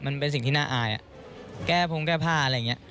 มันเป็นสิ่งที่น่าอายแก้พงแก้ผ้าอะไรอย่างนี้